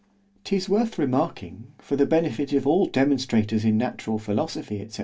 'Tis worth remarking, for the benefit of all demonstrators in natural philosophy, &c.